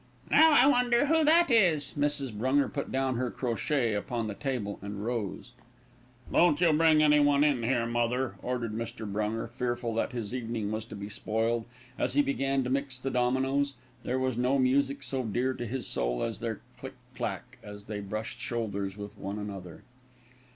"Now, I wonder who that is." Mrs. Brunger put down her crochet upon the table and rose. "Don't you bring anyone in here, mother," ordered Mr. Brunger, fearful that his evening was to be spoiled, as he began to mix the dominoes. There was no music so dear to his soul as their click clack, as they brushed shoulders with one another.